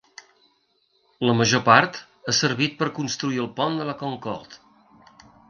La major part ha servit per construir el pont de la Concorde.